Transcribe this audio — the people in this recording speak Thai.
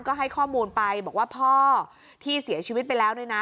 ก็ให้ข้อมูลไปบอกว่าพ่อที่เสียชีวิตไปแล้วเนี่ยนะ